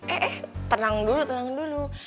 eh eh tenang dulu tenang dulu